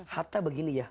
hatta begini ya